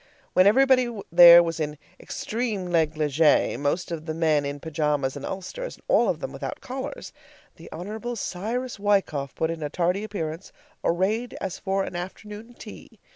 When everybody there was in extreme negligee, most of the men in pajamas and ulsters, and all of them without collars, the Hon. Cyrus Wykoff put in a tardy appearance, arrayed as for an afternoon tea.